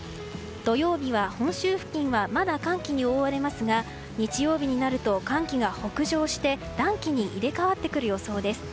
土曜日は本州付近はまだ寒気に覆われますが日曜日になると寒気が北上して暖気に入れ替わってくる予想です。